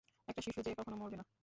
একটা শিশু যে কখনো মরবেনা।